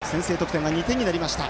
専大松戸、先制得点は２点になりました。